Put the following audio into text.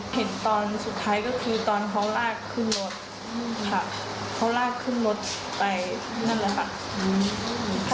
เห็นตอนสุดท้ายก็คือตอนเขาลากขึ้นรถค่ะเขาลากขึ้นรถไปนั่นแหละค่ะ